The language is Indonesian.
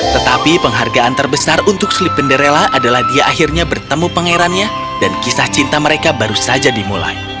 tetapi penghargaan terbesar untuk slip penderella adalah dia akhirnya bertemu pangerannya dan kisah cinta mereka baru saja dimulai